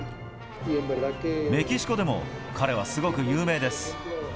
メキシコでも彼はすごく有名です。